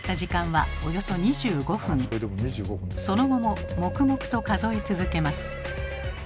その後も黙々と数え続けます。